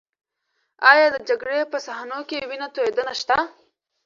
ایا د جګړې په صحنو کې وینه تویدنه شته؟